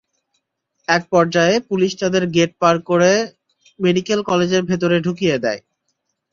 একপর্যায়ে পুলিশ তাদের গেট পার করে মেডিকেল কলেজের ভেতরে ঢুকিয়ে দেয়।